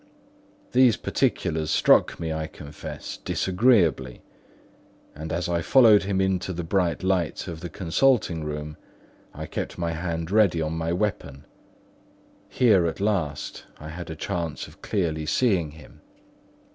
These particulars struck me, I confess, disagreeably; and as I followed him into the bright light of the consulting room, I kept my hand ready on my weapon. Here, at last, I had a chance of clearly seeing him.